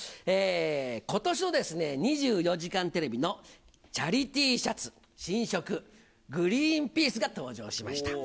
ことしの２４時間テレビのチャリＴシャツ新色、グリーンピースが登場しました。